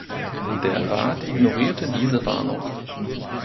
Der Rat ignorierte diese Warnung.